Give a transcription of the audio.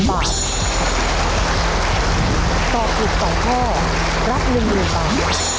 ตอบถูก๒ข้อรับ๑๐๐๐บาท